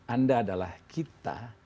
anda adalah kita